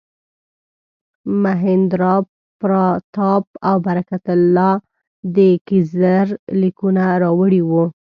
مهیندراپراتاپ او برکت الله د کیزر لیکونه راوړي وو.